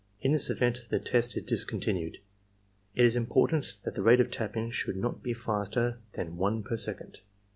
In this event the test is discontinued. It is important that the rate of tapping should not be faster than one per second.